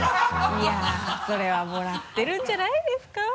いやぁそれはもらってるんじゃないですか？